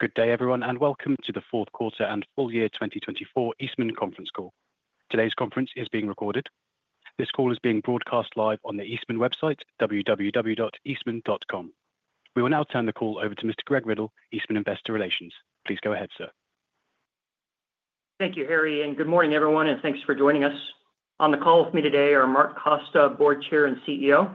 Good day, everyone, and welcome to the fourth quarter and full year 2024 Eastman conference call. Today's conference is being recorded. This call is being broadcast live on the Eastman website, www.eastman.com. We will now turn the call over to Mr. Greg Riddle, Eastman Investor Relations. Please go ahead, sir. Thank you, Harry, and good morning, everyone, and thanks for joining us. On the call with me today are Mark Costa, Board Chair and CEO;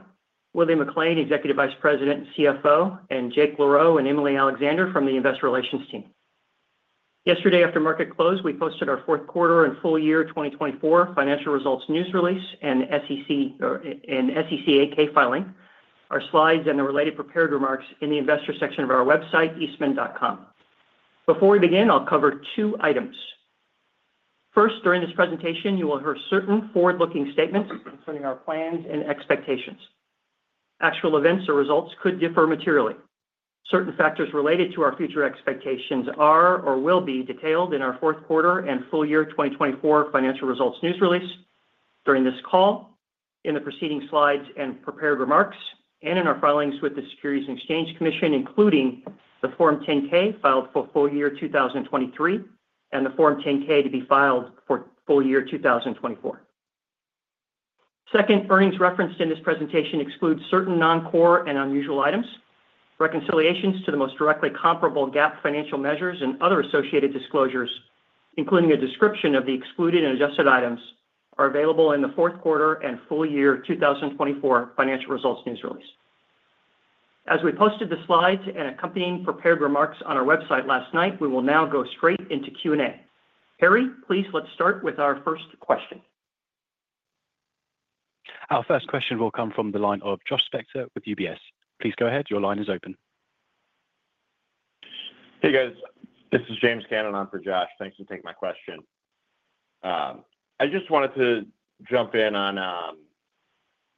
Willie McLain, Executive Vice President and CFO; and Jake LaRoe and Emily Alexander from the investor relations team. Yesterday, after market close, we posted our fourth quarter and full year 2024 financial results news release and SEC 8-K filing, our slides, and the related prepared remarks in the investor section of our website, eastman.com. Before we begin, I'll cover two items. First, during this presentation, you will hear certain forward-looking statements concerning our plans and expectations. Actual events or results could differ materially. Certain factors related to our future expectations are or will be detailed in our fourth quarter and full year 2024 financial results news release during this call, in the preceding slides and prepared remarks, and in our filings with the Securities and Exchange Commission, including the Form 10-K filed for full year 2023 and the Form 10-K to be filed for full year 2024. Second, earnings referenced in this presentation exclude certain non-core and unusual items. Reconciliations to the most directly comparable GAAP financial measures and other associated disclosures, including a description of the excluded and adjusted items, are available in the fourth quarter and full year 2024 financial results news release. As we posted the slides and accompanying prepared remarks on our website last night, we will now go straight into Q&A. Harry, please let's start with our first question. Our first question will come from the line of Josh Spector with UBS. Please go ahead. Your line is open. Hey, guys. This is James Cannon on for Josh. Thanks for taking my question. I just wanted to jump in on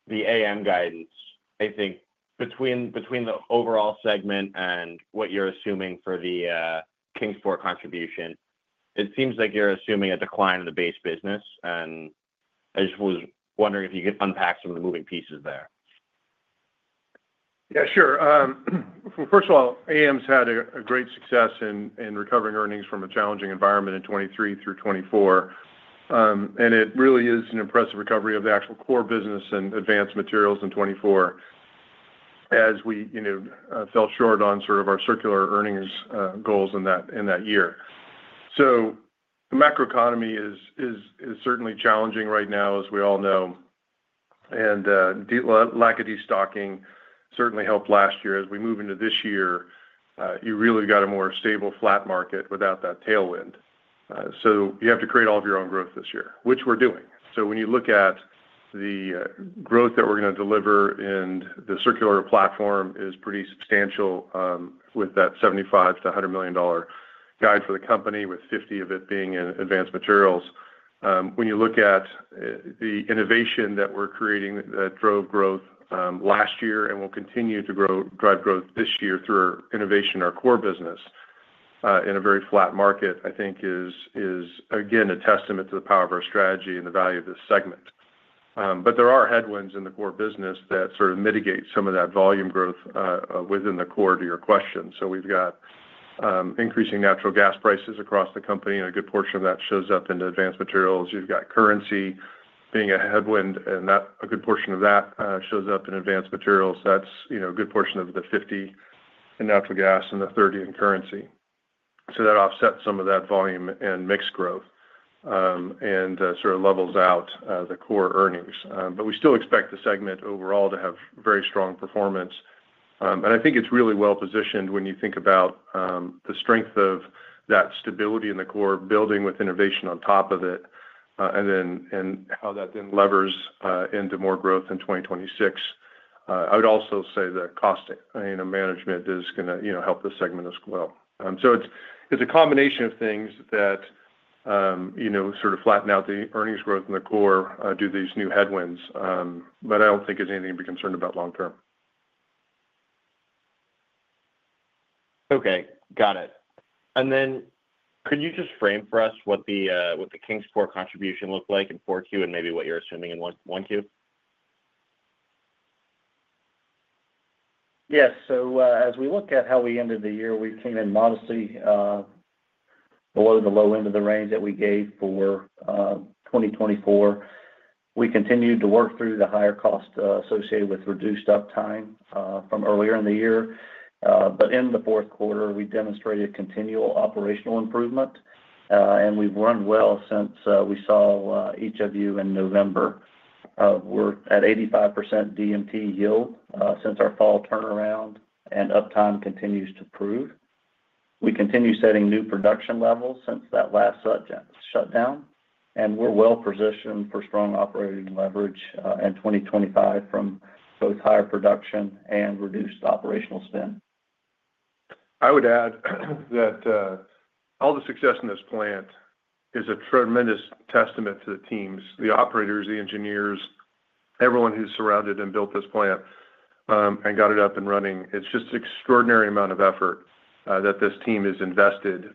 the AM guidance. I think between the overall segment and what you're assuming for the Kingsport contribution, it seems like you're assuming a decline in the base business, and I just was wondering if you could unpack some of the moving pieces there. Yeah, sure. First of all, AM's had a great success in recovering earnings from a challenging environment in 2023 through 2024, and it really is an impressive recovery of the actual core business and advanced materials in 2024 as we fell short on sort of our circular earnings goals in that year. So, the macroeconomy is certainly challenging right now, as we all know, and lack of destocking certainly helped last year. As we move into this year, you really got a more stable, flat market without that tailwind. So you have to create all of your own growth this year, which we're doing. So, when you look at the growth that we're going to deliver in the circular platform, it is pretty substantial with that $75 million-$100 million guide for the company, with $50 million of it being in Advanced Materials. When you look at the innovation that we're creating that drove growth last year and will continue to drive growth this year through our innovation, our core business in a very flat market, I think is, again, a testament to the power of our strategy and the value of this segment. But there are headwinds in the core business that sort of mitigate some of that volume growth within the core to your question. So we've got increasing natural gas prices across the company, and a good portion of that shows up in Advanced Materials. You've got currency being a headwind, and a good portion of that shows up in Advanced Materials. That's a good portion of the 50 in natural gas and the 30 in currency. So that offsets some of that volume and mixed growth, and sort of levels out the core earnings. But we still expect the segment overall to have very strong performance. And I think it's really well positioned when you think about the strength of that stability in the core building with innovation on top of it and how that then levers into more growth in 2026. I would also say that cost management is going to help this segment as well. So, it's a combination of things that sort of flatten out the earnings growth in the core, due to these new headwinds, but I don't think there's anything to be concerned about long term. Okay. Got it. And then, could you just frame for us what the Kingsport contribution looked like in 4Q and maybe what you're assuming in 1Q? Yes. So, as we look at how we ended the year, we came in modestly below the low end of the range that we gave for 2024. We continued to work through the higher cost associated with reduced uptime from earlier in the year. But in the fourth quarter, we demonstrated continual operational improvement, and we've run well since we saw each of you in November. We're at 85% DMT yield since our fall turnaround, and uptime continues to improve. We continue setting new production levels since that last shutdown, and we're well-positioned for strong operating leverage in 2025 from both higher production and reduced operational spend. I would add that all the success in this plant is a tremendous testament to the teams, the operators, the engineers, everyone who surrounded and built this plant and got it up and running. It's just an extraordinary amount of effort that this team has invested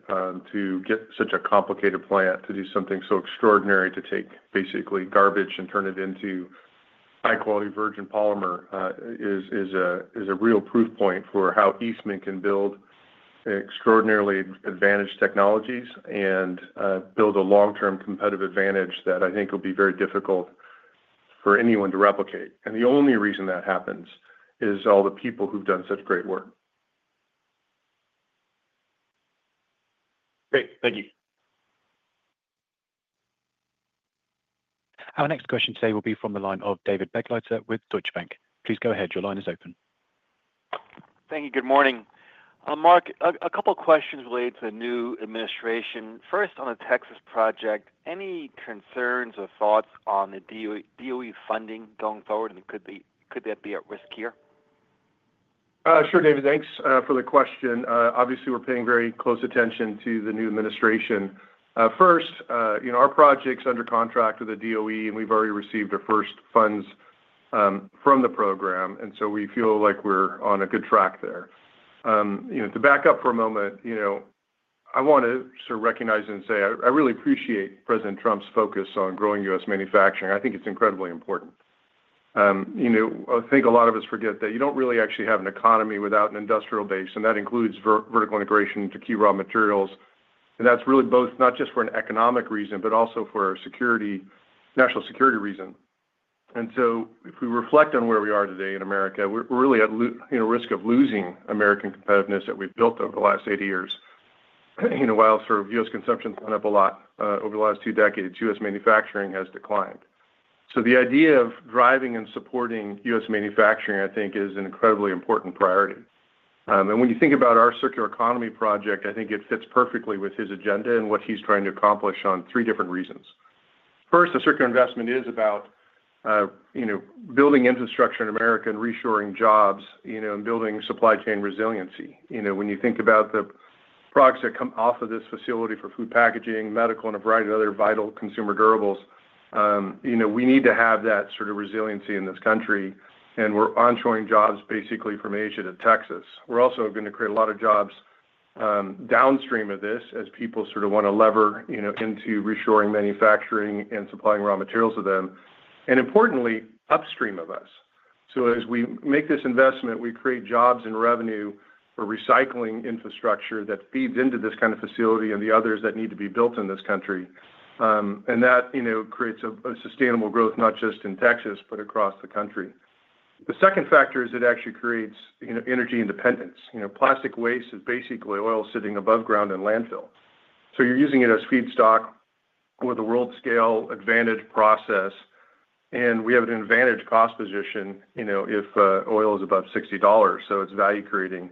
to get such a complicated plant to do something so extraordinary, to take basically garbage and turn it into high-quality virgin polymer, which is a real proof point for how Eastman can build extraordinarily advantaged technologies and build a long-term competitive advantage that I think will be very difficult for anyone to replicate, and the only reason that happens is all the people who've done such great work. Great. Thank you. Our next question today will be from the line of David Begleiter with Deutsche Bank. Please go ahead. Your line is open. Thank you. Good morning. Mark, a couple of questions related to the new administration. First, on the Texas project, any concerns or thoughts on the DOE funding going forward, and could that be at risk here? Sure, David. Thanks for the question. Obviously, we're paying very close attention to the new administration. First, our project's under contract with the DOE, and we've already received our first funds from the program, and so we feel like we're on a good track there. To back up for a moment, I want to sort of recognize and say I really appreciate President Trump's focus on growing U.S. manufacturing. I think it's incredibly important. I think a lot of us forget that you don't really actually have an economy without an industrial base, and that includes vertical integration to key raw materials. And that's really both not just for an economic reason, but also for a national security reason. And so if we reflect on where we are today in America, we're really at risk of losing American competitiveness that we've built over the last 80 years. While sort of U.S. consumption has gone up a lot over the last two decades, U.S. manufacturing has declined. So the idea of driving and supporting U.S. manufacturing, I think, is an incredibly important priority. And when you think about our circular economy project, I think it fits perfectly with his agenda and what he's trying to accomplish on three different reasons. First, the circular investment is about building infrastructure in America and reshoring jobs and building supply chain resiliency. When you think about the products that come off of this facility for food packaging, medical, and a variety of other vital consumer durables, we need to have that sort of resiliency in this country, and we're onshoring jobs basically from Asia to Texas. We're also going to create a lot of jobs downstream of this as people sort of want to lever into reshoring manufacturing and supplying raw materials to them, and importantly, upstream of us. So as we make this investment, we create jobs and revenue for recycling infrastructure that feeds into this kind of facility and the others that need to be built in this country. And that creates a sustainable growth not just in Texas, but across the country. The second factor is it actually creates energy independence. Plastic waste is basically oil sitting above ground in landfill. So you're using it as feedstock with a world-scale advantage process, and we have an advantage cost position if oil is above $60, so it's value-creating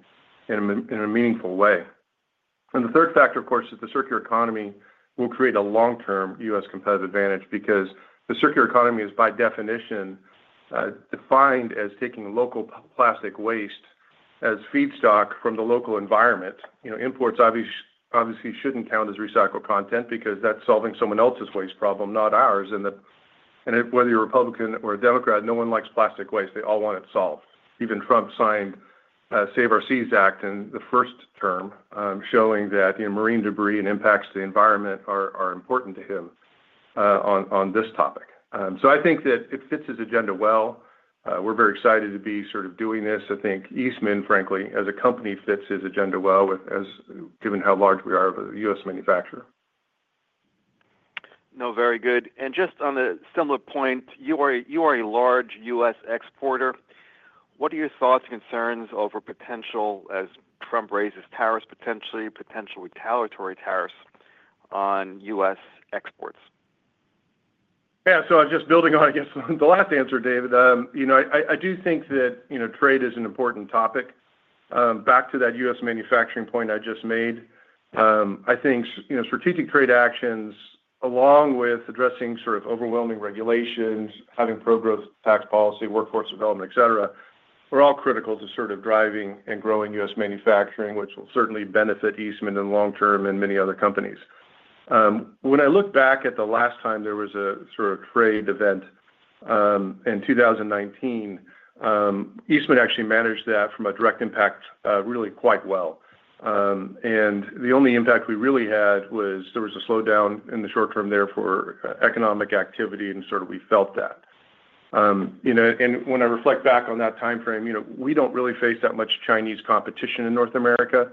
in a meaningful way. And the third factor, of course, is the circular economy will create a long-term U.S. competitive advantage because the circular economy is by definition defined as taking local plastic waste as feedstock from the local environment. Imports obviously shouldn't count as recycled content because that's solving someone else's waste problem, not ours, and whether you're a Republican or a Democrat, no one likes plastic waste. They all want it solved. Even Trump signed the Save Our Seas Act in the first term, showing that marine debris and impacts to the environment are important to him on this topic. So I think that it fits his agenda well. We're very excited to be sort of doing this. I think Eastman, frankly, as a company, fits his agenda well given how large we are of a U.S. manufacturer. No, very good. Just on a similar point, you are a large U.S. exporter. What are your thoughts and concerns over potential, as Trump raises tariffs potentially, potential retaliatory tariffs on U.S. exports? Yeah, so I'm just building on, I guess, the last answer, David. I do think that trade is an important topic. Back to that U.S. manufacturing point I just made, I think strategic trade actions, along with addressing sort of overwhelming regulations, having pro-growth tax policy, workforce development, etc., are all critical to sort of driving and growing U.S. manufacturing, which will certainly benefit Eastman in the long term and many other companies. When I look back at the last time there was a sort of trade event in 2019, Eastman actually managed that from a direct impact really quite well, and the only impact we really had was there was a slowdown in the short term there for economic activity, and sort of we felt that. When I reflect back on that timeframe, we don't really face that much Chinese competition in North America,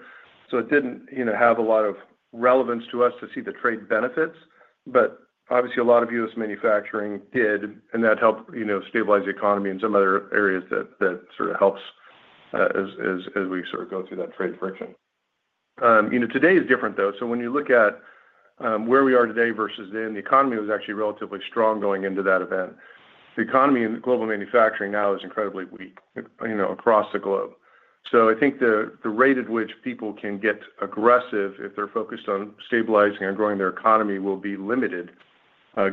so it didn't have a lot of relevance to us to see the trade benefits. Obviously, a lot of U.S. manufacturing did, and that helped stabilize the economy in some other areas that sort of helps as we sort of go through that trade friction. Today is different, though. When you look at where we are today versus then, the economy was actually relatively strong going into that event. The economy in global manufacturing now is incredibly weak across the globe. I think the rate at which people can get aggressive if they're focused on stabilizing and growing their economy will be limited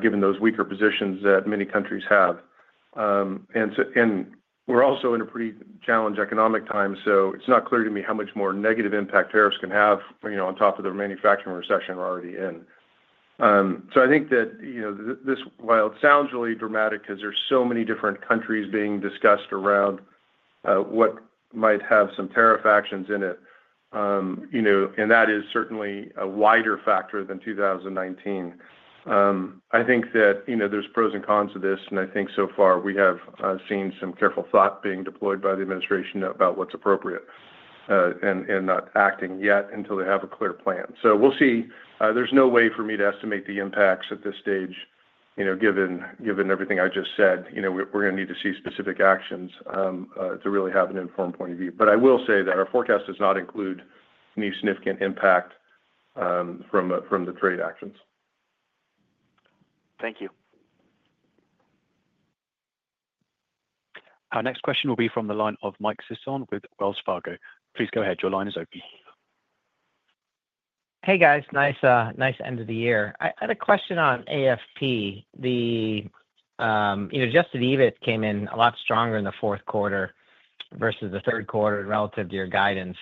given those weaker positions that many countries have. And we're also in a pretty challenged economic time, so it's not clear to me how much more negative impact tariffs can have on top of the manufacturing recession we're already in. So I think that this, while it sounds really dramatic because there's so many different countries being discussed around what might have some tariff actions in it, and that is certainly a wider factor than 2019. I think that there's pros and cons to this, and I think so far we have seen some careful thought being deployed by the administration about what's appropriate and not acting yet until they have a clear plan. So we'll see. There's no way for me to estimate the impacts at this stage given everything I just said. We're going to need to see specific actions to really have an informed point of view. But I will say that our forecast does not include any significant impact from the trade actions. Thank you. Our next question will be from the line of Mike Sison with Wells Fargo. Please go ahead. Your line is open. Hey, guys. Nice end of the year. I had a question on AFP. The adjusted EBIT came in a lot stronger in the fourth quarter versus the third quarter relative to your guidance.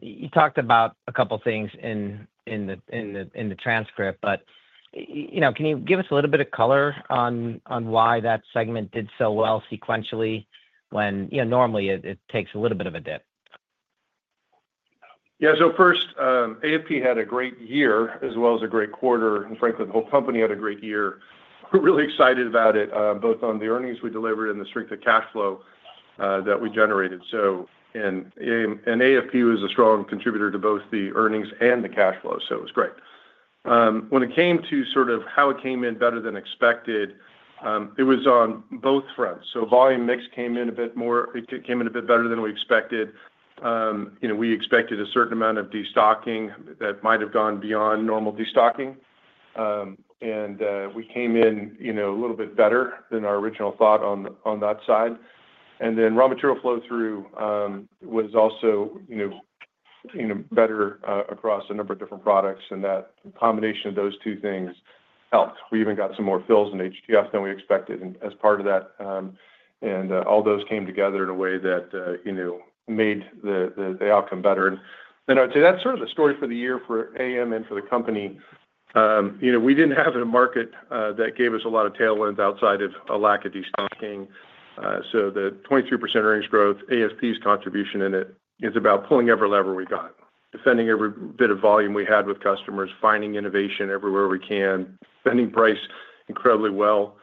You talked about a couple of things in the transcript, but can you give us a little bit of color on why that segment did so well sequentially when normally it takes a little bit of a dip? Yeah. So first, AFP had a great year as well as a great quarter, and frankly, the whole company had a great year. We're really excited about it, both on the earnings we delivered and the strength of cash flow that we generated. So, and AFP was a strong contributor to both the earnings and the cash flow, so it was great. When it came to sort of how it came in better than expected, it was on both fronts. So volume mix came in a bit more. It came in a bit better than we expected. We expected a certain amount of destocking that might have gone beyond normal destocking. And we came in a little bit better than our original thought on that side. And then raw material flow-through was also better across a number of different products, and that combination of those two things helped. We even got some more fills in HTF than we expected as part of that. And all those came together in a way that made the outcome better. And I'd say that's sort of the story for the year for AM and for the company. We didn't have a market that gave us a lot of tailwinds outside of a lack of destocking. So the 23% earnings growth, AFP's contribution in it, it's about pulling every lever we got, defending every bit of volume we had with customers, finding innovation everywhere we can, spending price incredibly well,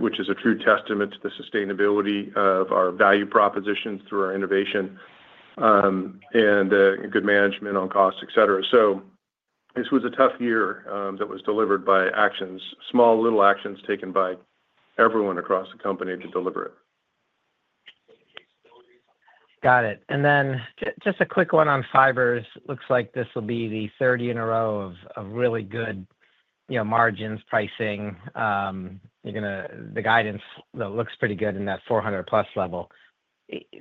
which is a true testament to the sustainability of our value propositions through our innovation and good management on costs, etc. So, this was a tough year that was delivered by actions, small, little actions taken by everyone across the company to deliver it. Got it. And then just a quick one on fibers. Looks like this will be the third year in a row of really good margins, pricing. The guidance looks pretty good in that 400+ level.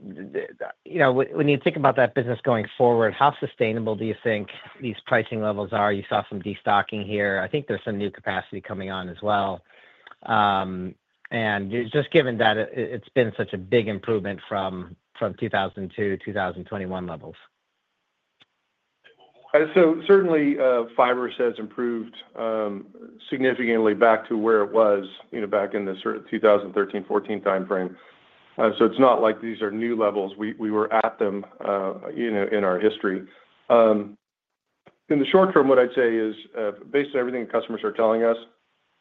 When you think about that business going forward, how sustainable do you think these pricing levels are? You saw some destocking here. I think there's some new capacity coming on as well. And just given that it's been such a big improvement from 2002, 2021 levels. So certainly, fibers has improved significantly back to where it was, back in the sort of 2013- 2014 timeframe. So, it's not like these are new levels. We were at them in our history. In the short term, what I'd say is based on everything customers are telling us,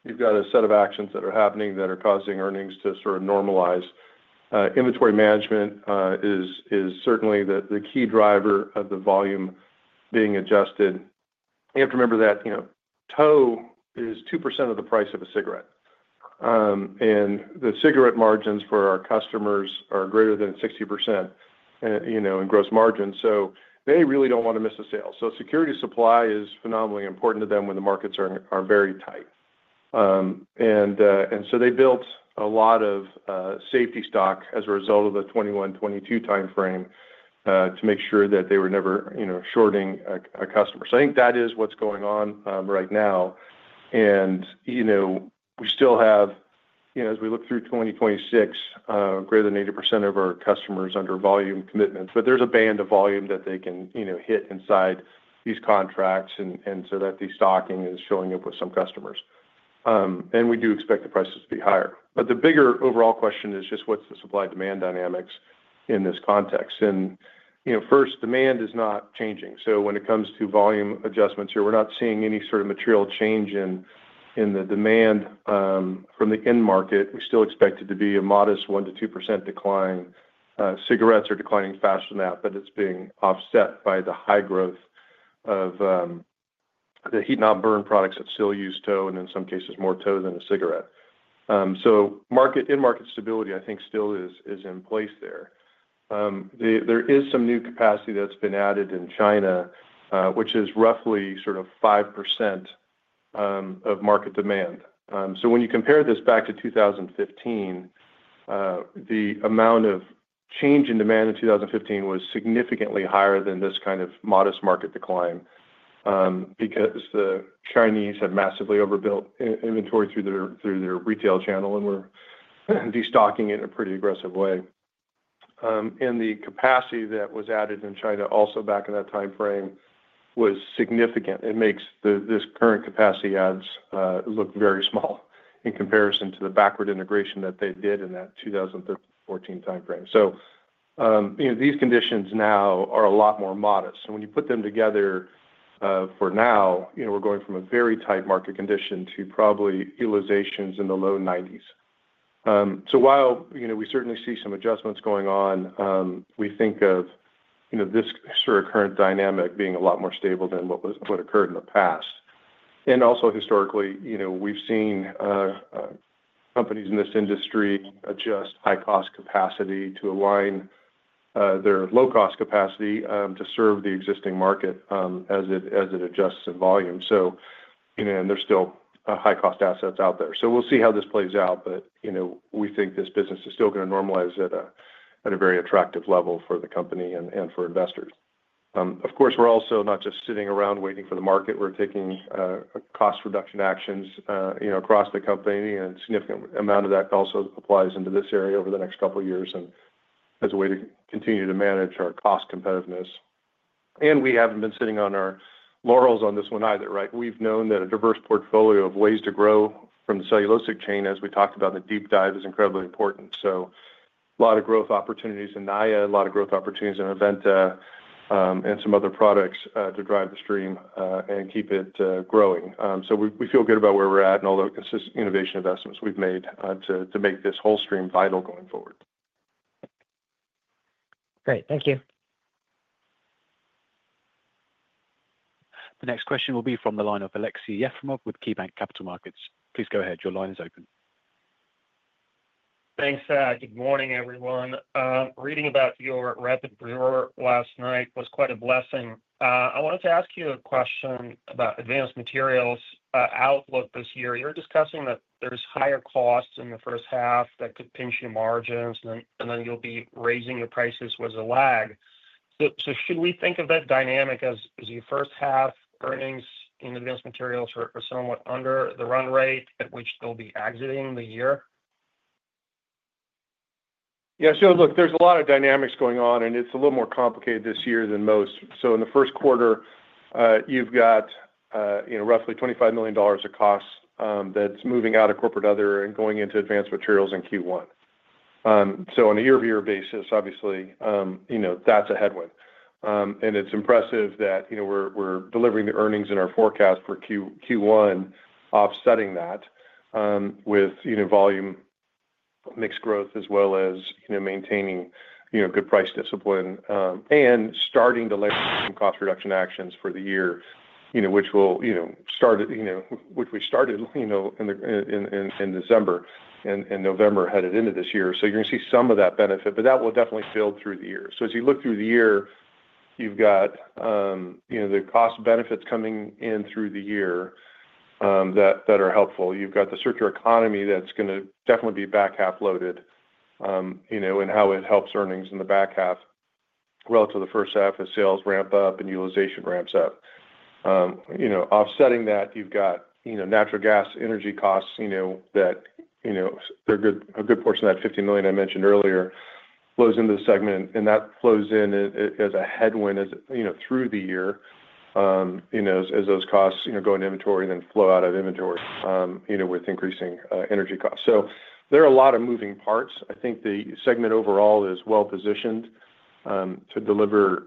you've got a set of actions that are happening that are causing earnings to sort of normalize. Inventory management is certainly the key driver of the volume being adjusted. You have to remember that tow is 2% of the price of a cigarette. And the cigarette margins for our customers are greater than 60% in gross margin. So they really don't want to miss a sale. So security supply is phenomenally important to them when the markets are very tight. They built a lot of safety stock as a result of the 2021-2022 timeframe to make sure that they were never shorting a customer. So, I think that is what's going on right now. We still have, as we look through 2026, greater than 80% of our customers under volume commitments. But there's a band of volume that they can hit inside these contracts and so that destocking is showing up with some customers. We do expect the prices to be higher. But the bigger overall question is just what's the supply-demand dynamics in this context. First, demand is not changing. So, when it comes to volume adjustments here, we're not seeing any sort of material change in the demand from the end market. We still expect it to be a modest 1%-2% decline. Cigarettes are declining faster than that, but it's being offset by the high growth of the heat-not-burn products that still use tow and in some cases more tow than a cigarette, so in-market stability, I think, still is in place there. There is some new capacity that's been added in China, which is roughly sort of 5% of market demand, so when you compare this back to 2015, the amount of change in demand in 2015 was significantly higher than this kind of modest market decline because the Chinese had massively overbuilt inventory through their retail channel and were destocking it in a pretty aggressive way, and the capacity that was added in China also back in that timeframe was significant. It makes this current capacity adds look very small in comparison to the backward integration that they did in that 2013-2014 timeframe. So these conditions now are a lot more modest. And when you put them together for now, we're going from a very tight market condition to probably utilizations in the low 90%s. So while we certainly see some adjustments going on, we think of this sort of current dynamic being a lot more stable than what occurred in the past. And also historically, we've seen companies in this industry adjust high-cost capacity to align their low-cost capacity to serve the existing market as it adjusts in volume. And there's still high-cost assets out there. So we'll see how this plays out, but we think this business is still going to normalize at a very attractive level for the company and for investors. Of course, we're also not just sitting around waiting for the market. We're taking cost reduction actions across the company, and a significant amount of that also applies into this area over the next couple of years as a way to continue to manage our cost competitiveness, and we haven't been sitting on our laurels on this one either, right? We've known that a diverse portfolio of ways to grow from the cellulosic chain, as we talked about in the deep dive, is incredibly important, so a lot of growth opportunities in Naia, a lot of growth opportunities in Aventa, and some other products to drive the stream and keep it growing, so we feel good about where we're at and all the consistent innovation investments we've made to make this whole stream vital going forward. Great. Thank you. The next question will be from the line of Aleksey Yefremov with KeyBank Capital Markets. Please go ahead. Your line is open. Thanks. Good morning, everyone. Reading about your rapid growth last night was quite a blessing. I wanted to ask you a question about Advanced Materials' outlook this year. You're discussing that there's higher costs in the first half that could pinch your margins, and then you'll be raising your prices with a lag. So should we think of that dynamic as your first half earnings in Advanced Materials are somewhat under the run rate at which they'll be exiting the year? Yeah. So look, there's a lot of dynamics going on, and it's a little more complicated this year than most. So in the first quarter, you've got roughly $25 million of costs that's moving out of corporate other and going into Advanced Materials in Q1. So on a year-over-year basis, obviously, that's a headwind. And it's impressive that we're delivering the earnings in our forecast for Q1, offsetting that with volume mixed growth as well as maintaining good price discipline, and starting to lay out some cost reduction actions for the year, which we started in December and November headed into this year. So you're going to see some of that benefit, but that will definitely build through the year. So as you look through the year, you've got the cost benefits coming in through the year that are helpful. You've got the circular economy that's going to definitely be back half loaded and how it helps earnings in the back half relative to the first half as sales ramp up and utilization ramps up. Offsetting that, you've got natural gas energy costs that a good portion of that $50 million I mentioned earlier flows into the segment, and that flows in as a headwind through the year as those costs go into inventory and then flow out of inventory with increasing energy costs. So there are a lot of moving parts. I think the segment overall is well-positioned to deliver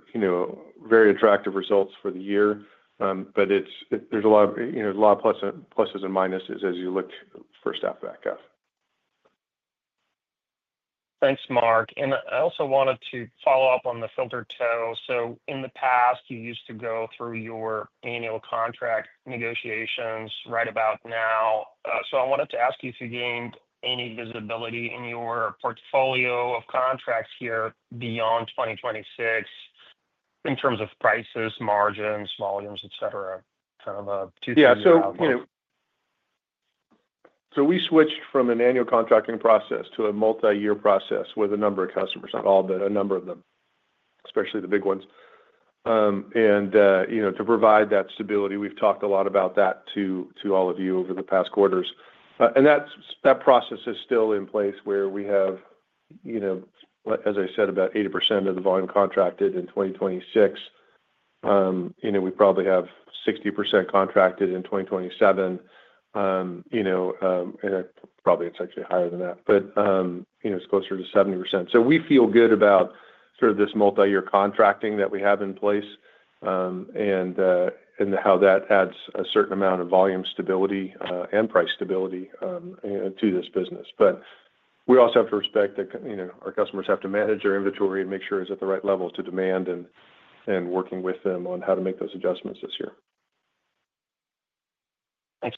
very attractive results for the year, but there's a lot of pluses and minuses as you look first half back half. Thanks, Mark. And I also wanted to follow up on the filter tow. So in the past, you used to go through your annual contract negotiations right about now. So I wanted to ask you if you gained any visibility in your portfolio of contracts here beyond 2026 in terms of prices, margins, volumes, etc., kind of a two-three-year outlook. Yeah, so we switched from an annual contracting process to a multi-year process with a number of customers, not all, but a number of them, especially the big ones, and to provide that stability, we've talked a lot about that to all of you over the past quarters, and that process is still in place where we have, as I said, about 80% of the volume contracted in 2026. We probably have 60% contracted in 2027. Probably it's actually higher than that, but it's closer to 70%, so we feel good about sort of this multi-year contracting that we have in place and how that adds a certain amount of volume stability and price stability to this business. But we also have to respect that our customers have to manage their inventory and make sure it's at the right level to demand, and working with them on how to make those adjustments this year. Thanks,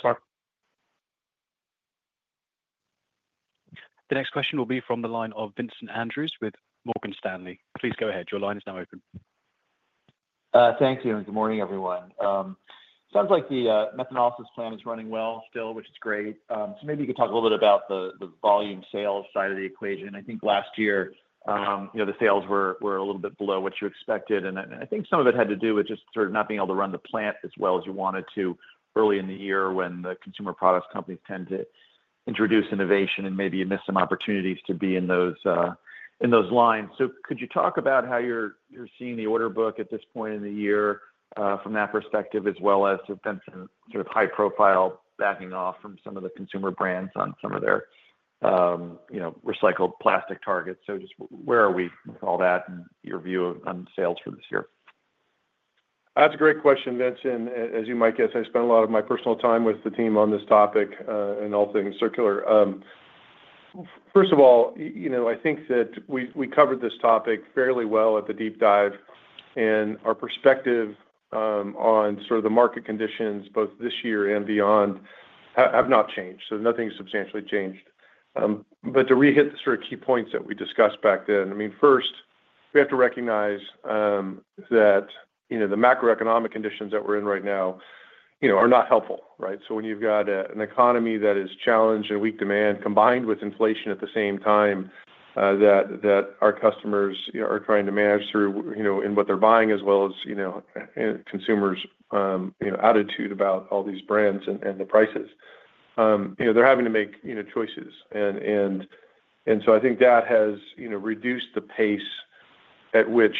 Mark. The next question will be from the line of Vincent Andrews with Morgan Stanley. Please go ahead. Your line is now open. Thank you. And good morning, everyone. It sounds like the methanolysis plant is running well still, which is great. So, maybe you could talk a little bit about the volume sales side of the equation. I think last year, the sales were a little bit below what you expected. And I think some of it had to do with just sort of not being able to run the plant as well as you wanted to early in the year when the consumer products companies tend to introduce innovation and maybe you miss some opportunities to be in those lines. So, could you talk about how you're seeing the order book at this point in the year from that perspective, as well as there's been some sort of high-profile backing off from some of the consumer brands on some of their recycled plastic targets? So just where are we with all that, and your view on sales for this year? That's a great question, Vincent. As you might guess, I spent a lot of my personal time with the team on this topic and all things circular. First of all, I think that we covered this topic fairly well at the deep dive, and our perspective on sort of the market conditions, both this year and beyond, have not changed, so nothing has substantially changed, but to re-hit the sort of key points that we discussed back then, I mean, first, we have to recognize that the macroeconomic conditions that we're in right now are not helpful, right? So when you've got an economy that is challenged and weak demand combined with inflation at the same time that our customers are trying to manage through in what they're buying as well as consumers' attitude about all these brands and the prices, they're having to make choices. And so I think that has reduced the pace at which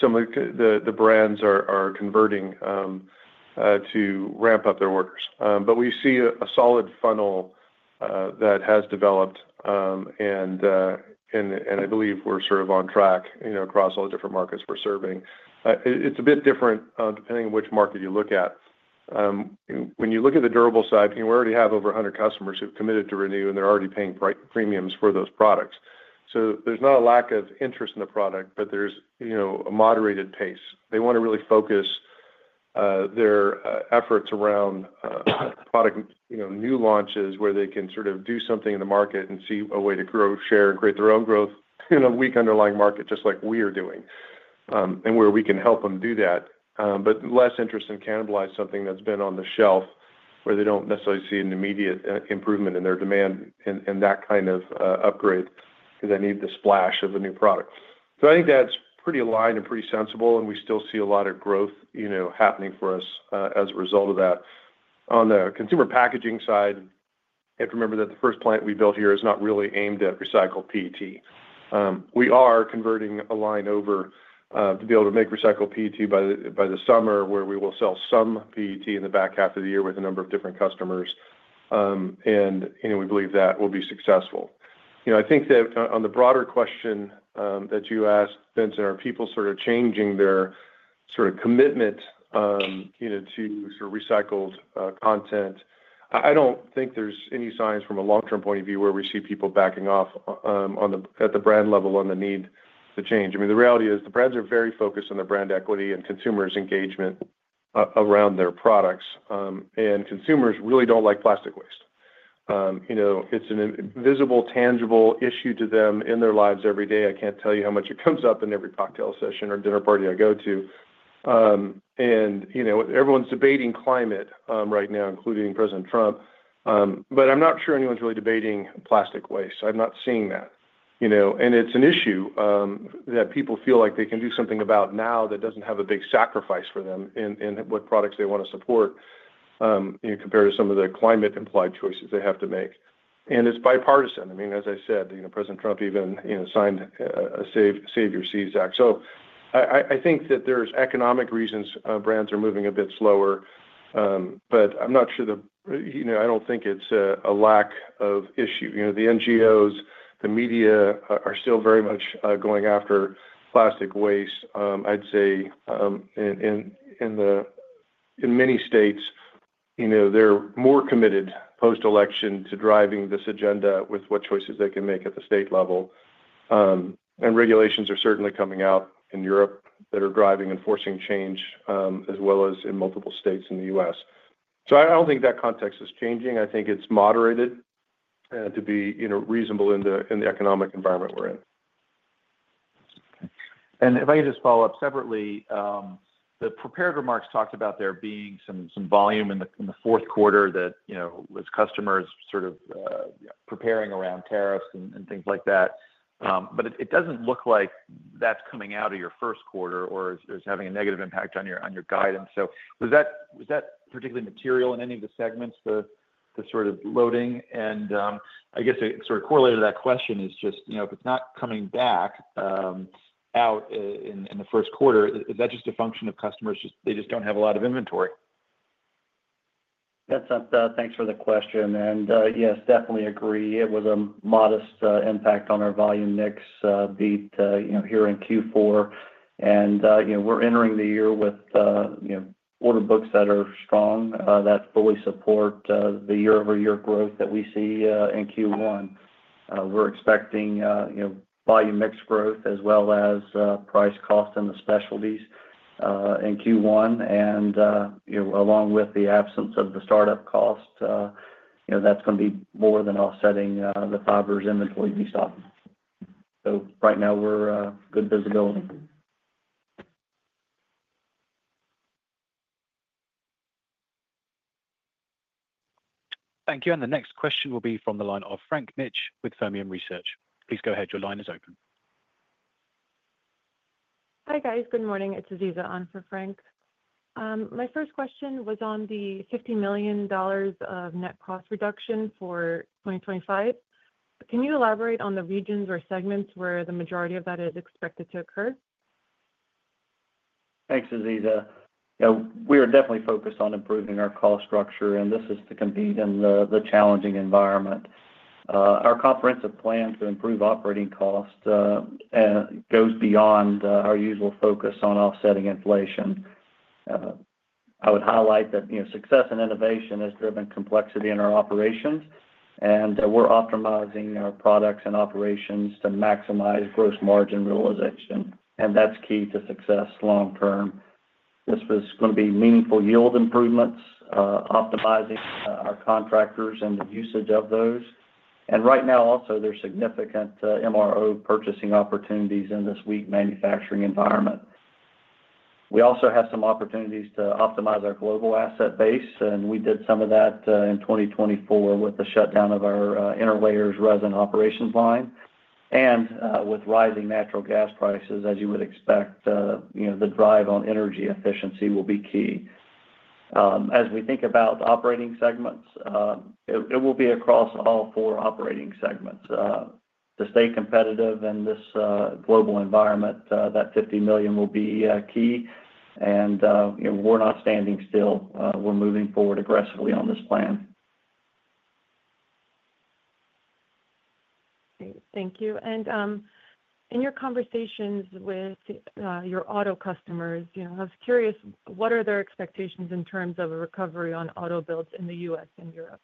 some of the brands are converting to ramp up their orders. But we see a solid funnel that has developed, and I believe we're sort of on track across all the different markets we're serving. It's a bit different depending on which market you look at. When you look at the durable side, we already have over 100 customers who've committed to Renew, and they're already paying premiums for those products. So there's not a lack of interest in the product, but there's a moderated pace. They want to really focus their efforts around product new launches where they can sort of do something in the market and see a way to grow, share, and create their own growth in a weak underlying market, just like we are doing, and where we can help them do that. But less interest in cannibalizing something that's been on the shelf where they don't necessarily see an immediate improvement in their demand and that kind of upgrade because they need the splash of a new product. So I think that's pretty aligned and pretty sensible, and we still see a lot of growth happening for us as a result of that. On the consumer packaging side, you have to remember that the first plant we built here is not really aimed at recycled PET. We are converting a line over to be able to make recycled PET by the summer where we will sell some PET in the back half of the year with a number of different customers. And we believe that will be successful. I think that on the broader question that you asked, Vincent, are people sort of changing their sort of commitment to sort of recycled content? I don't think there's any signs from a long-term point of view where we see people backing off at the brand level on the need to change. I mean, the reality is the brands are very focused on their brand equity and consumers' engagement around their products, and consumers really don't like plastic waste. It's an invisible, tangible issue to them in their lives every day. I can't tell you how much it comes up in every cocktail session or dinner party I go to, and everyone's debating climate right now, including President Trump, but I'm not sure anyone's really debating plastic waste. I'm not seeing that. And it's an issue that people feel like they can do something about now that doesn't have a big sacrifice for them in what products they want to support compared to some of the climate-implied choices they have to make. And it's bipartisan. I mean, as I said, President Trump even signed a Save Your Seas Act. So I think that there's economic reasons brands are moving a bit slower, but I'm not sure. I don't think it's a lack of issue. The NGOs, the media are still very much going after plastic waste, I'd say. In many states, they're more committed post-election to driving this agenda with what choices they can make at the state level. And regulations are certainly coming out in Europe that are driving and forcing change as well as in multiple states in the U.S. So I don't think that context is changing. I think it's moderated to be reasonable in the economic environment we're in. If I could just follow up separately, the prepared remarks talked about there being some volume in the fourth quarter that was customers sort of preparing around tariffs and things like that. It doesn't look like that's coming out of your first quarter or is having a negative impact on your guidance. Was that particularly material in any of the segments, the sort of loading? I guess it sort of correlated to that question is just if it's not coming back out in the first quarter, is that just a function of customers just, they just don't have a lot of inventory? Vincent, thanks for the question. Yes, definitely agree. It was a modest impact on our volume mix beat here in Q4. We're entering the year with order books that are strong that fully support the year-over-year growth that we see in Q1. We're expecting volume mix growth as well as price cost in the specialties in Q1, and along with the absence of the startup cost, that's going to be more than offsetting the fibers inventory we saw, so right now, we're good visibility. Thank you. And the next question will be from the line of Frank Mitsch with Fermium Research. Please go ahead. Your line is open. Hi guys. Good morning. It's Aziza on for Frank. My first question was on the $50 million of net cost reduction for 2025. Can you elaborate on the regions or segments where the majority of that is expected to occur? Thanks, Aziza. We are definitely focused on improving our cost structure, and this is to compete in the challenging environment. Our comprehensive plan to improve operating costs goes beyond our usual focus on offsetting inflation. I would highlight that success and innovation has driven complexity in our operations, and we're optimizing our products and operations to maximize gross margin realization, and that's key to success long-term. This was going to be meaningful yield improvements, optimizing our contractors and the usage of those. And right now, also, there's significant MRO purchasing opportunities in this weak manufacturing environment. We also have some opportunities to optimize our global asset base, and we did some of that in 2024 with the shutdown of our interlayers resin operations line. And with rising natural gas prices, as you would expect, the drive on energy efficiency will be key. As we think about operating segments, it will be across all four operating segments. To stay competitive in this global environment, that $50 million will be key. And we're not standing still. We're moving forward aggressively on this plan. Thank you. In your conversations with your auto customers, I was curious, what are their expectations in terms of a recovery on auto builds in the U.S. and Europe?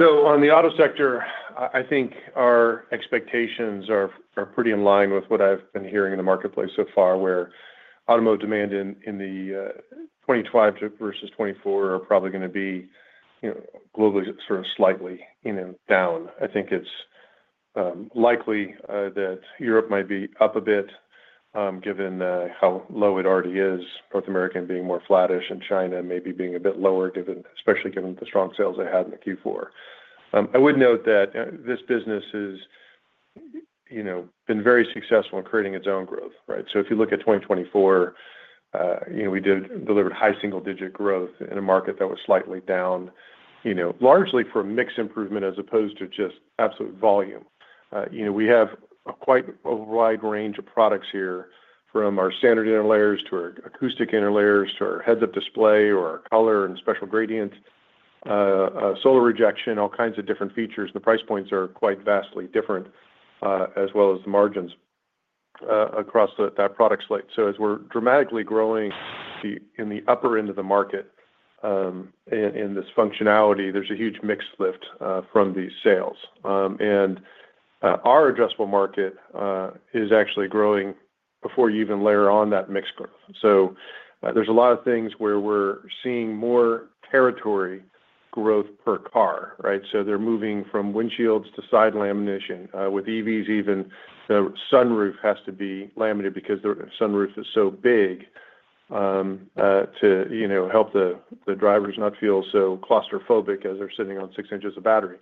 So on the auto sector, I think our expectations are pretty in line with what I've been hearing in the marketplace so far where automotive demand in the 2025 versus 2024 are probably going to be globally sort of slightly down. I think it's likely that Europe might be up a bit given how low it already is, North America being more flattish, and China maybe being a bit lower, especially given the strong sales they had in Q4. I would note that this business has been very successful in creating its own growth, right? So if you look at 2024, we delivered high single-digit growth in a market that was slightly down, largely for mix improvement as opposed to just absolute volume. We have a quite wide range of products here from our standard interlayers to our acoustic interlayers to our head-up display or our color and special gradients, solar rejection, all kinds of different features. The price points are quite vastly different as well as the margins across that product slate. So, as we're dramatically growing in the upper end of the market in this functionality, there's a huge mix lift from these sales. And our auto market is actually growing before you even layer on that mix growth. So, there's a lot of things where we're seeing more territory growth per car, right? So they're moving from windshields to side lamination with EVs. Even the sunroof has to be laminated because the sunroof is so big, to help the drivers not feel so claustrophobic as they're sitting on six inches of battery.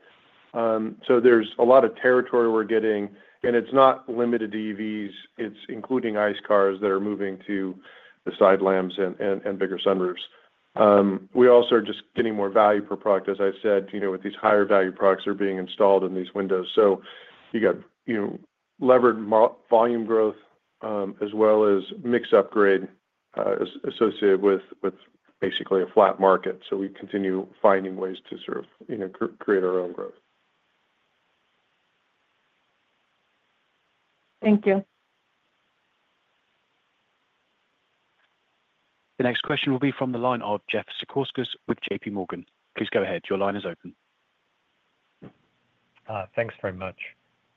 So there's a lot of territory we're getting, and it's not limited to EVs. It's including ICE cars that are moving to the side lamps and bigger sunroofs. We also are just getting more value per product, as I said, with these higher value products that are being installed in these windows. So you got levered volume growth as well as mix upgrade associated with basically a flat market. So we continue finding ways to sort of create our own growth. Thank you. The next question will be from the line of Jeff Zekauskas with JP Morgan. Please go ahead. Your line is open. Thanks very much.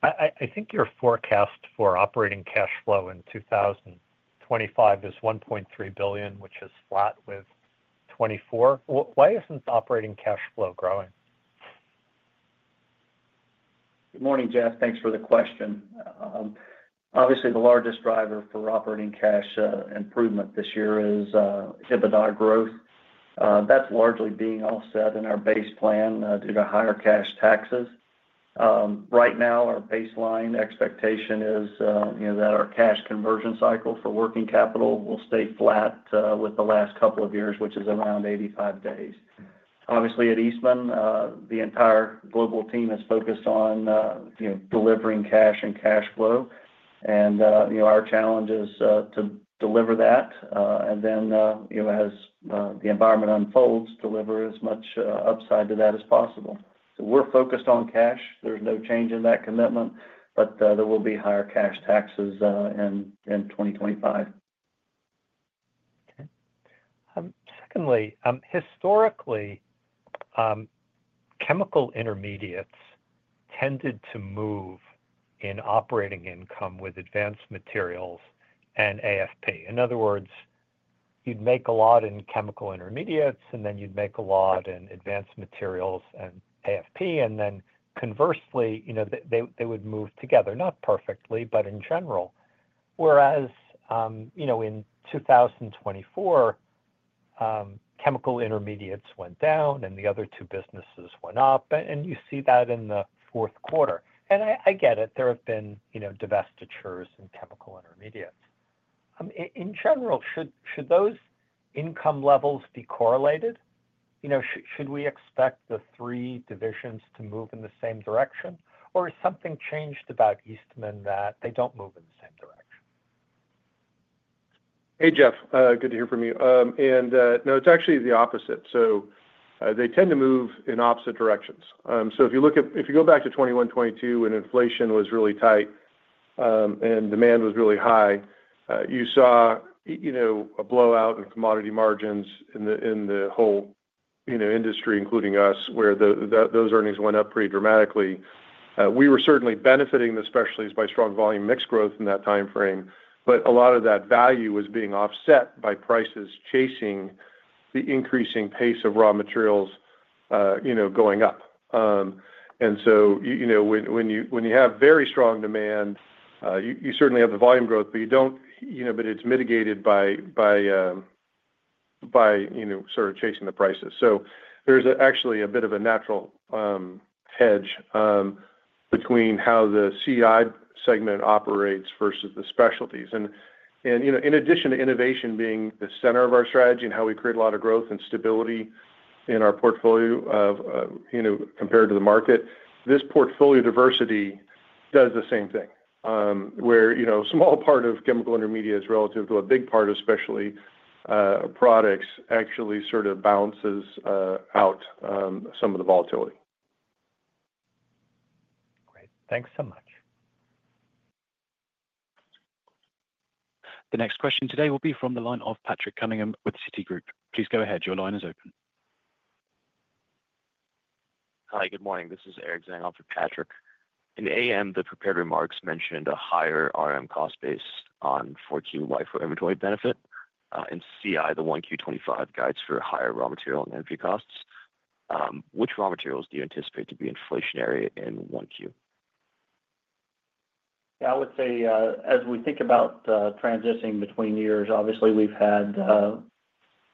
I think your forecast for operating cash flow in 2025 is $1.3 billion, which is flat with 2024. Why isn't operating cash flow growing? Good morning, Jeff. Thanks for the question. Obviously, the largest driver for operating cash improvement this year is EBITDA growth. That's largely being offset in our base plan due to higher cash taxes. Right now, our baseline expectation is that our cash conversion cycle for working capital will stay flat with the last couple of years, which is around 85 days. Obviously, at Eastman, the entire global team is focused on delivering cash and cash flow, and our challenge is to deliver that and then, as the environment unfolds, deliver as much upside to that as possible, so we're focused on cash. There's no change in that commitment, but there will be higher cash taxes in 2025. Okay. Secondly, historically, Chemical Intermediates tended to move in operating income with Advanced Materials and AFP. In other words, you'd make a lot in Chemical Intermediates, and then you'd make a lot in Advanced Materials and AFP. And then conversely, they would move together, not perfectly, but in general. Whereas in 2024, Chemical Intermediates went down, and the other two businesses went up. And you see that in the fourth quarter. And I get it. There have been divestitures in Chemical Intermediates. In general, should those income levels be correlated? Should we expect the three divisions to move in the same direction? Or is something changed about Eastman that they don't move in the same direction? Hey, Jeff. Good to hear from you. And no, it's actually the opposite. So they tend to move in opposite directions. So if you go back to 2021, 2022, when inflation was really tight and demand was really high, you saw a blowout in commodity margins in the whole industry, including us, where those earnings went up pretty dramatically. We were certainly benefiting the specialties by strong volume mix growth in that time frame. But a lot of that value was being offset by prices chasing the increasing pace of raw materials going up. And so when you have very strong demand, you certainly have the volume growth, but it's mitigated by sort of chasing the prices. So there's actually a bit of a natural hedge between how the CI segment operates versus the specialties. In addition to innovation being the center of our strategy and how we create a lot of growth and stability in our portfolio compared to the market, this portfolio diversity does the same thing where a small part of Chemical Intermediates relative to a big part, especially products, actually sort of bounces out some of the volatility. Great. Thanks so much. The next question today will be from the line of Patrick Cunningham with Citigroup. Please go ahead. Your line is open. Hi, good morning. This is Eric Zhang with Patrick. In AM, the prepared remarks mentioned a higher RM cost based on 4Q LIFO inventory benefit. In CI, the 1Q25 guides for higher raw material and energy costs. Which raw materials do you anticipate to be inflationary in 1Q? I would say as we think about transitioning between years, obviously, we've had the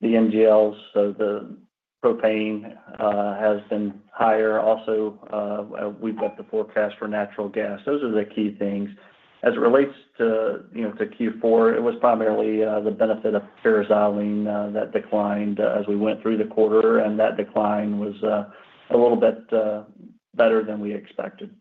NGLs. So the propane has been higher. Also, we've got the forecast for natural gas. Those are the key things. As it relates to Q4, it was primarily the benefit of that declined as we went through the quarter, and that decline was a little bit better than we expected.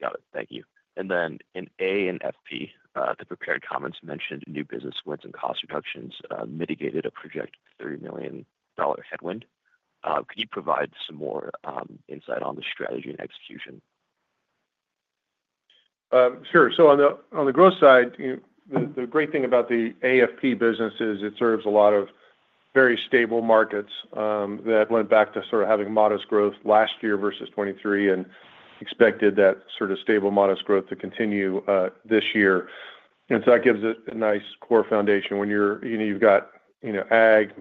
Got it. Thank you, and then in AFP, the prepared comments mentioned new business wins and cost reductions mitigated a projected $30 million headwind. Could you provide some more insight on the strategy and execution? Sure. So on the growth side, the great thing about the AFP business is it serves a lot of very stable markets that went back to sort of having modest growth last year versus 2023 and expected that sort of stable modest growth to continue this year. And so that gives it a nice core foundation. When you've got ag,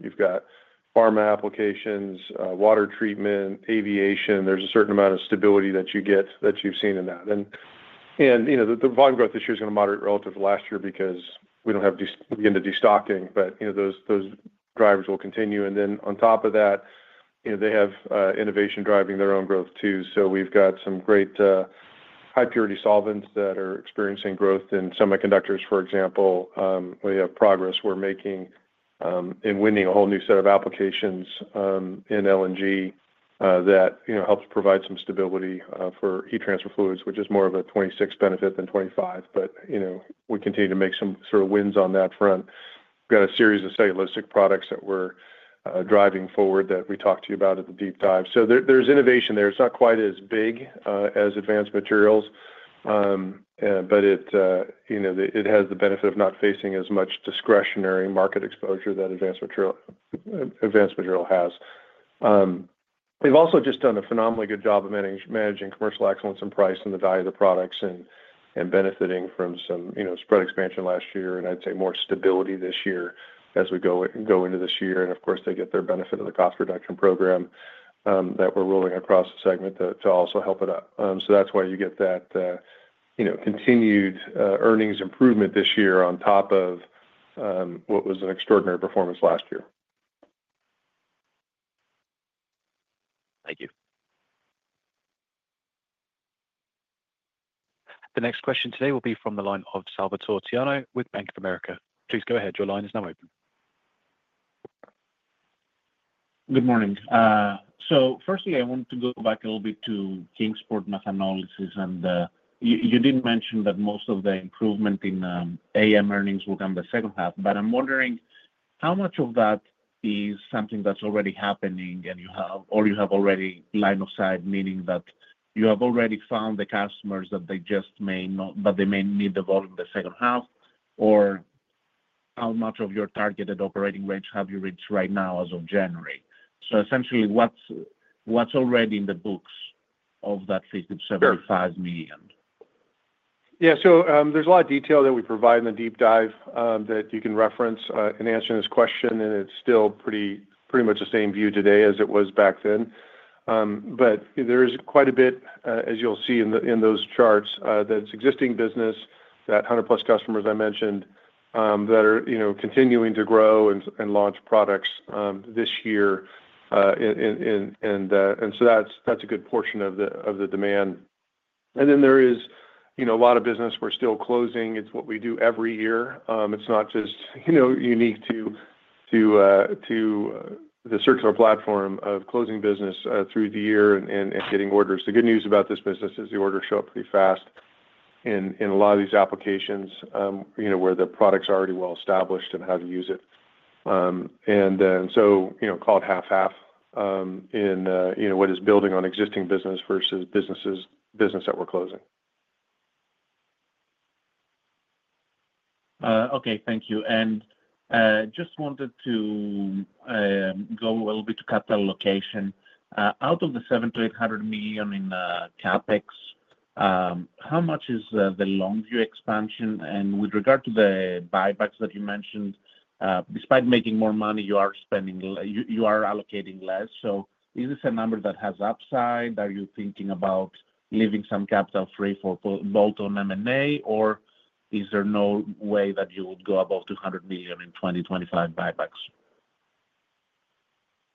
you've got pharma applications, water treatment, aviation, there's a certain amount of stability that you get that you've seen in that. And the volume growth this year is going to moderate relative to last year because we don't have to begin to destocking, but those drivers will continue. And then on top of that, they have innovation driving their own growth too. So we've got some great high-purity solvents that are experiencing growth in semiconductors, for example. We have progress we're making in winning a whole new set of applications in LNG that helps provide some stability for heat transfer fluids, which is more of a 2026 benefit than 2025. But we continue to make some sort of wins on that front. We've got a series of cellulosic products that we're driving forward that we talked to you about at the deep dive. So there's innovation there. It's not quite as big as Advanced Materials, but it has the benefit of not facing as much discretionary market exposure that Advanced Materials has. They've also just done a phenomenally good job of managing commercial excellence and price and the value of the products and benefiting from some spread expansion last year. And I'd say more stability this year as we go into this year. Of course, they get their benefit of the cost reduction program that we're rolling across the segment to also help it up. That's why you get that continued earnings improvement this year on top of what was an extraordinary performance last year. Thank you. The next question today will be from the line of Salvatore Tiano with Bank of America. Please go ahead. Your line is now open. Good morning. So firstly, I want to go back a little bit to Kingsport methanolysis. And you did mention that most of the improvement in AM earnings will come the second half. But I'm wondering how much of that is something that's already happening or you have already line of sight, meaning that you have already found the customers that they just may not, but they may need the volume the second half, or how much of your targeted operating range have you reached right now as of January? So essentially, what's already in the books of that $50-$75 million? Yeah. So there's a lot of detail that we provide in the deep dive that you can reference in answering this question. And it's still pretty much the same view today as it was back then. But there is quite a bit, as you'll see in those charts, that's existing business, that 100-plus customers I mentioned that are continuing to grow and launch products this year. And so that's a good portion of the demand. And then there is a lot of business we're still closing. It's what we do every year. It's not just unique to the circular platform of closing business through the year and getting orders. The good news about this business is the orders show up pretty fast in a lot of these applications where the products are already well established and how to use it. Call it half-half in what is building on existing business versus business that we're closing. Okay. Thank you. And just wanted to go a little bit to capital allocation. Out of the $700-$800 million in CapEx, how much is the Longview expansion? And with regard to the buybacks that you mentioned, despite making more money, you are allocating less. So is this a number that has upside? Are you thinking about leaving some capital free for bolt-on M&A, or is there no way that you would go above $200 million in 2025 buybacks?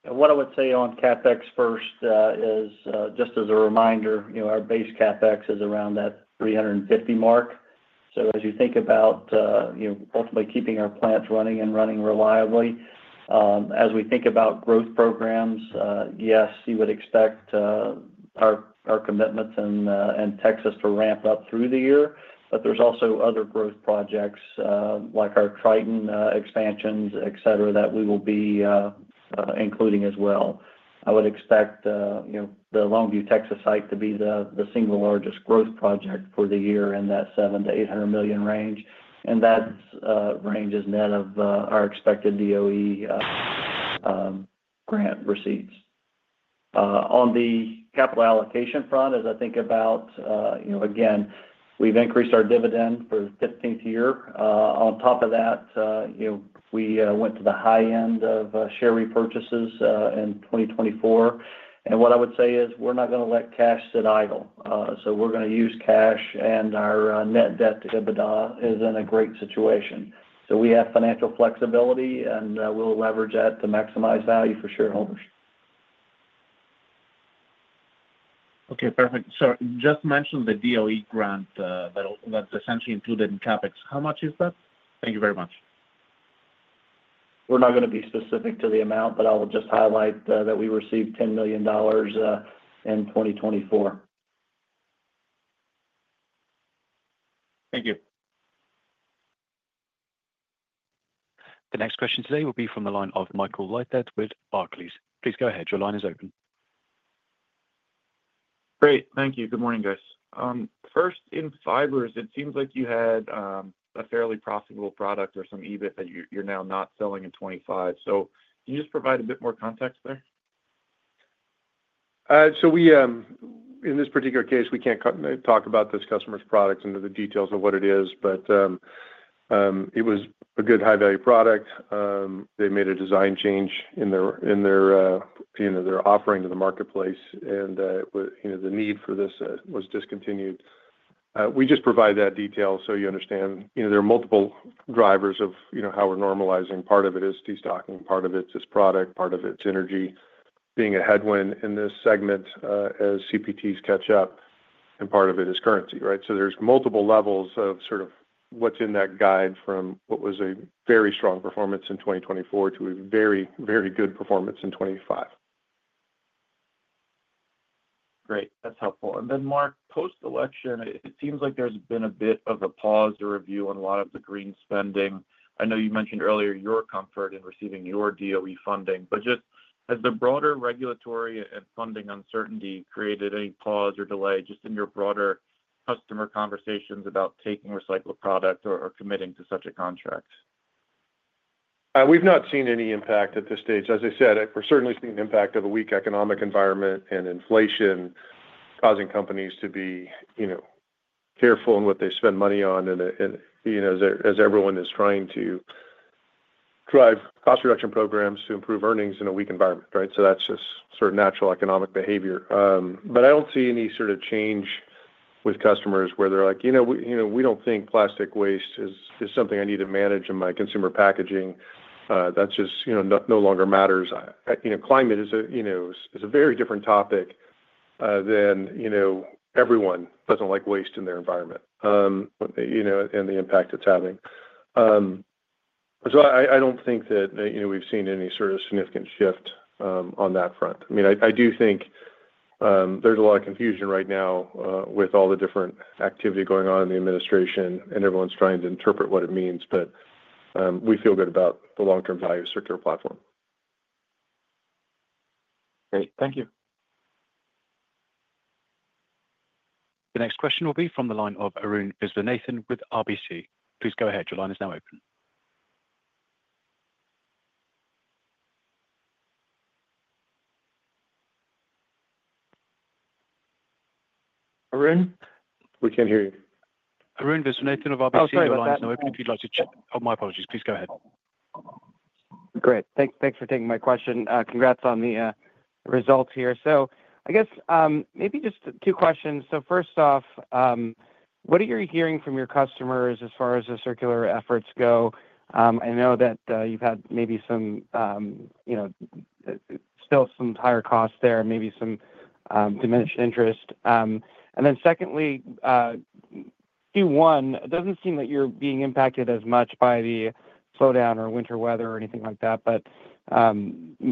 What I would say on CapEx first is just as a reminder, our base CapEx is around that $350 million mark. So as you think about ultimately keeping our plants running and running reliably, as we think about growth programs, yes, you would expect our commitments in Texas to ramp up through the year. But there's also other growth projects like our Tritan expansions, etc., that we will be including as well. I would expect the Longview, Texas site to be the single largest growth project for the year in that $700 million-$800 million range. And that range is net of our expected DOE grant receipts. On the capital allocation front, as I think about, again, we've increased our dividend for the 15th year. On top of that, we went to the high end of share repurchases in 2024. What I would say is we're not going to let cash sit idle. So we're going to use cash, and our net debt to EBITDA is in a great situation. So we have financial flexibility, and we'll leverage that to maximize value for shareholders. Okay. Perfect. So just mentioned the DOE grant that's essentially included in CapEx. How much is that? Thank you very much. We're not going to be specific to the amount, but I will just highlight that we received $10 million in 2024. Thank you. The next question today will be from the line of Michael Leithead with Barclays. Please go ahead. Your line is open. Great. Thank you. Good morning, guys. First, in fibers, it seems like you had a fairly profitable product or some EBIT that you're now not selling in 2025. So can you just provide a bit more context there? In this particular case, we can't talk about this customer's product into the details of what it is. But it was a good high-value product. They made a design change in their offering to the marketplace, and the need for this was discontinued. We just provide that detail so you understand. There are multiple drivers of how we're normalizing. Part of it is destocking. Part of it's this product. Part of it's energy being a headwind in this segment as CPTs catch up. And part of it is currency, right? So there's multiple levels of sort of what's in that guide from what was a very strong performance in 2024 to a very, very good performance in 2025. Great. That's helpful. And then, Mark, post-election, it seems like there's been a bit of a pause or review on a lot of the green spending. I know you mentioned earlier your comfort in receiving your DOE funding. But just as the broader regulatory and funding uncertainty created any pause or delay just in your broader customer conversations about taking recycled product or committing to such a contract? We've not seen any impact at this stage. As I said, we're certainly seeing the impact of a weak economic environment and inflation causing companies to be careful in what they spend money on as everyone is trying to drive cost reduction programs to improve earnings in a weak environment, right? So that's just sort of natural economic behavior. But I don't see any sort of change with customers where they're like, "We don't think plastic waste is something I need to manage in my consumer packaging. That just no longer matters." Climate is a very different topic than everyone doesn't like waste in their environment and the impact it's having. So I don't think that we've seen any sort of significant shift on that front. I mean, I do think there's a lot of confusion right now with all the different activity going on in the administration, and everyone's trying to interpret what it means. But we feel good about the long-term value of the circular platform. Great. Thank you. The next question will be from the line of Arun Viswanathan with RBC. Please go ahead. Your line is now open. Arun? We can't hear you. Arun Viswanathan of RBC, your line is now open. If you'd like to. Oh, my apologies. Please go ahead. Great. Thanks for taking my question. Congrats on the results here. So I guess maybe just two questions. So first off, what are you hearing from your customers as far as the circular efforts go? I know that you've had maybe still some higher costs there, maybe some diminished interest. And then secondly, Q1, it doesn't seem that you're being impacted as much by the slowdown or winter weather or anything like that. But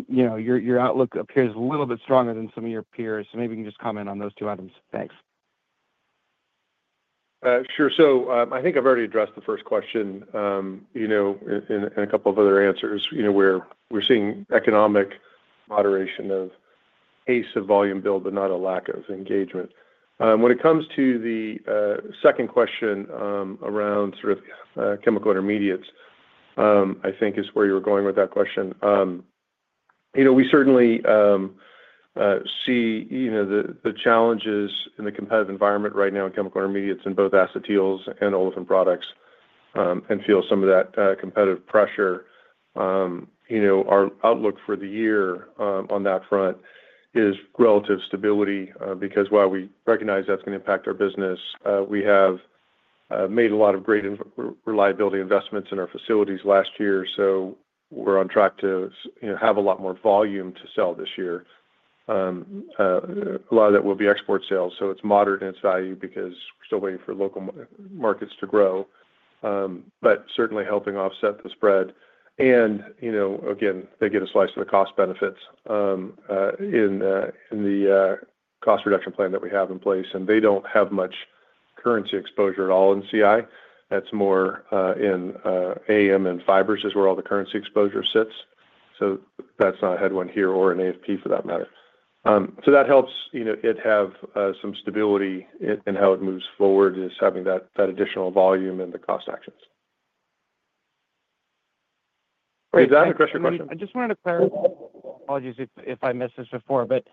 your outlook appears a little bit stronger than some of your peers. So maybe you can just comment on those two items. Thanks. Sure. So I think I've already addressed the first question in a couple of other answers where we're seeing economic moderation of pace of volume build, but not a lack of engagement. When it comes to the second question around sort of chemical intermediates, I think is where you were going with that question. We certainly see the challenges in the competitive environment right now in chemical intermediates in both acetyls and olefins products, and feel some of that competitive pressure. Our outlook for the year on that front is relative stability because while we recognize that's going to impact our business, we have made a lot of great reliability investments in our facilities last year. So we're on track to have a lot more volume to sell this year. A lot of that will be export sales. So it's moderate in its value because we're still waiting for local markets to grow, but certainly helping offset the spread. And again, they get a slice of the cost benefits in the cost reduction plan that we have in place. And they don't have much currency exposure at all in CI. That's more in AM and fibers is where all the currency exposure sits. So that's not a headwind here or an AFP for that matter. So that helps it have some stability in how it moves forward, is having that additional volume and the cost actions. Is that the question? I just wanted to clarify. Apologies if I missed this before, but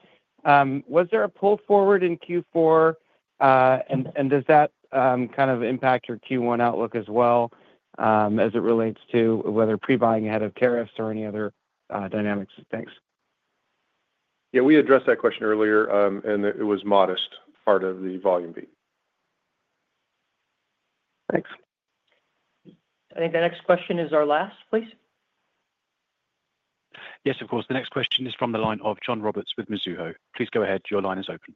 was there a pull forward in Q4? And does that kind of impact your Q1 outlook as well as it relates to whether pre-buying ahead of tariffs or any other dynamics? Thanks. Yeah. We addressed that question earlier, and it was modest. Part of the volume beat. Thanks. I think the next question is our last, please. Yes, of course. The next question is from the line of John Roberts with Mizuho. Please go ahead. Your line is open.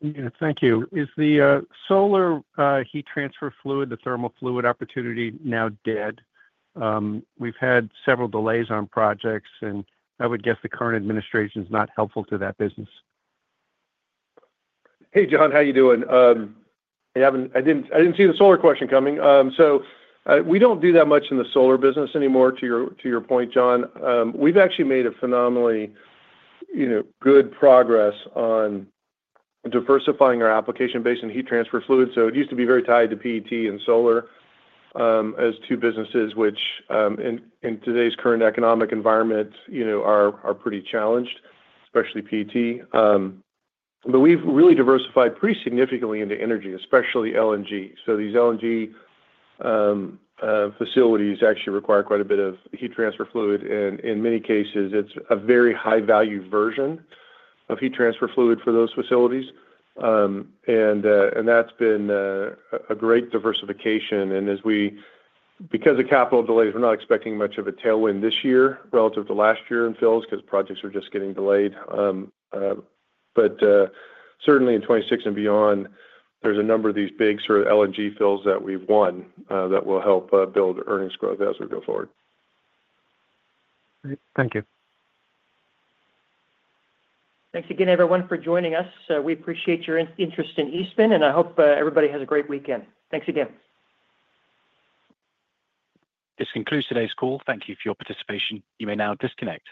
Yeah. Thank you. Is the solar heat transfer fluid, the thermal fluid opportunity now dead? We've had several delays on projects, and I would guess the current administration is not helpful to that business. Hey, John. How are you doing? I didn't see the solar question coming, so we don't do that much in the solar business anymore, to your point, John. We've actually made phenomenally good progress on diversifying our application base in heat transfer fluid, so it used to be very tied to PET and solar as two businesses which, in today's current economic environment, are pretty challenged, especially PET, but we've really diversified pretty significantly into energy, especially LNG, so these LNG facilities actually require quite a bit of heat transfer fluid. And in many cases, it's a very high-value version of heat transfer fluid for those facilities, and that's been a great diversification, and because of capital delays, we're not expecting much of a tailwind this year relative to last year in fills because projects are just getting delayed. But certainly, in 2026 and beyond, there's a number of these big sort of LNG fills that we've won that will help build earnings growth as we go forward. Great. Thank you. Thanks again, everyone, for joining us. We appreciate your interest in Eastman, and I hope everybody has a great weekend. Thanks again. This concludes today's call. Thank you for your participation. You may now disconnect.